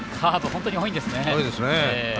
本当に多いんですね。